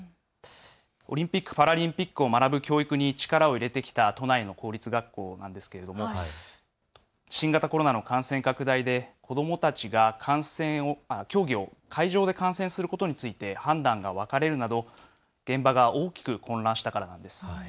オリンピック・パラリンピックを学ぶ教育に力を入れてきた都内の公立学校なんですけれども新型コロナの感染拡大で子どもたちが競技を会場で観戦することの判断が分かれること、現場が大きく混乱したからです。